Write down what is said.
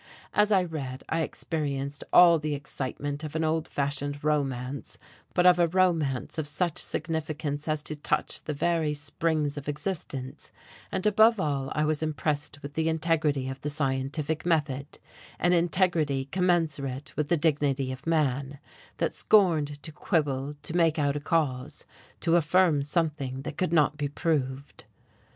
As I read, I experienced all the excitement of an old fashioned romance, but of a romance of such significance as to touch the very springs of existence; and above all I was impressed with the integrity of the scientific method an integrity commensurate with the dignity of man that scorned to quibble to make out a case, to affirm something that could not be proved.